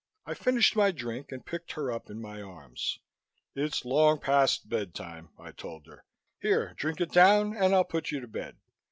I finished my drink and picked her up in my arms. "It's long past bed time," I told her. "Here, drink it down and I'll put you to bed.